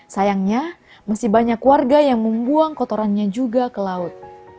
sayangnya masih banyak warga yang membuang kotorannya juga ke laut